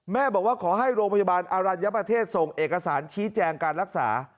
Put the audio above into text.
บอกว่าขอให้โรงพยาบาลอรัญญประเทศส่งเอกสารชี้แจงการรักษา